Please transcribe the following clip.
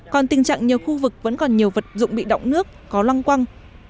còn tình trạng nhiều khu vực vẫn còn nhiều vật dụng bị động nước có lăng quăng